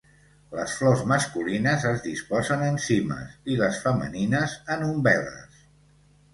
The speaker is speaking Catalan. Les flors masculines es disposen en cimes i les femenines en umbel·les.